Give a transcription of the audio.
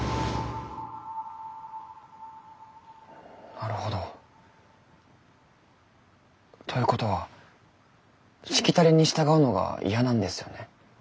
なるほど。ということはしきたりに従うのが嫌なんですよね？